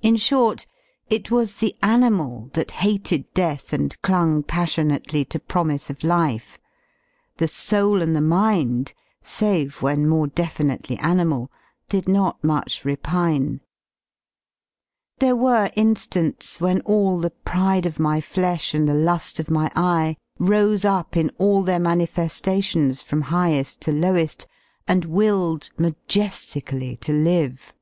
In short, it was *' the animal that hated death and dung passionately to pro mise of life; the soul and the mind, save when more defi nitely animal, did not much repine. There were in^nts when all the pride of my flesh and the lu^ of my eye rose up in all their manife^tions from highe^ to lowe^, and willed maje^ically to live.